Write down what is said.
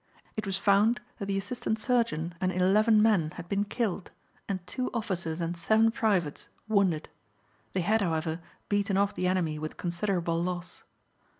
It was found that the assistant surgeon and eleven men had been killed, and two officers and seven privates wounded. They had, however, beaten off the enemy with considerable loss.